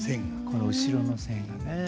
この後ろの線がね。